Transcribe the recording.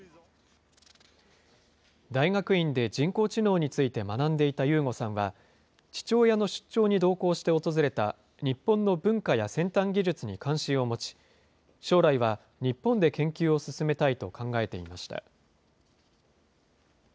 大学院で人工知能について学んでいたユーゴさんは、父親の出張に同行して訪れた日本の文化や先端技術に関心を持ち、将来は日本で、研究を進めたいと考えていました。